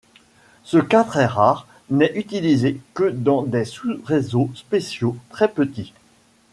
Ce cas très rare n'est utilisé que dans des sous-réseaux spéciaux très petits.